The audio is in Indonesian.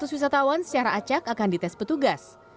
lima ratus wisatawan secara acak akan dites petugas